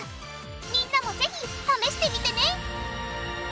みんなもぜひ試してみてね！